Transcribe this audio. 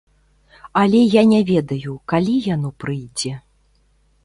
Але я не ведаю, калі яно прыйдзе.